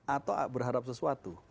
atau berharap sesuatu